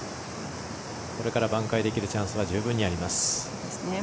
これから挽回できるチャンスは十分あります。